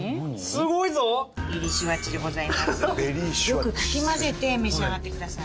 よくかき混ぜて召し上がってください。